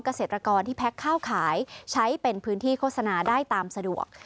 เกษตรกรที่แพ็คข้าวขายใช้เป็นพื้นที่โฆษณาได้ตามสะดวก